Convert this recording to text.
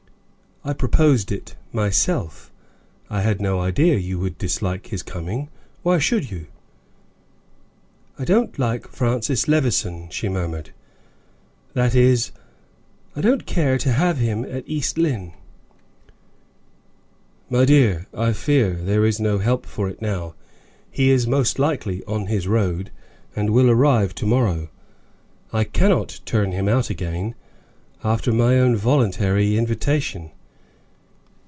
"I proposed it myself. I had no idea you would dislike his coming. Why should you?" "I don't like Francis Levison," she murmured. "That is, I don't care to have him at East Lynne." "My dear, I fear there is no help for it now; he is most likely on his road, and will arrive to morrow. I cannot turn him out again, after my own voluntary invitation.